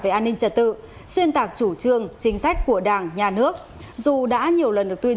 về an ninh trật tự xuyên tạc chủ trương chính sách của đảng nhà nước dù đã nhiều lần được tuyên